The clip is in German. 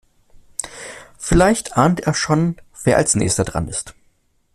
Vielleicht ahnt er schon, wer als nächstes dran ist.